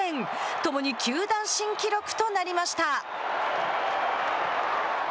共に球団新記録となりました。